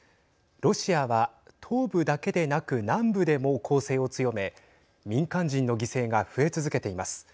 ロシアは、東部だけでなく南部でも攻勢を強め民間人の犠牲が増え続けています。